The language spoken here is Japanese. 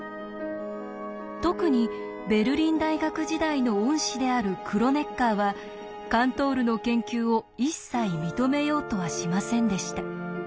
特にベルリン大学時代の恩師であるクロネッカーはカントールの研究を一切認めようとはしませんでした。